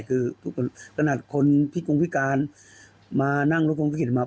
คือขนาดคนพิกรุงพิการมานั่งรถกรุงศักดิ์กิจมา